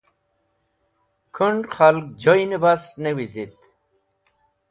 khund̃ khalg joynẽ bas ne wizit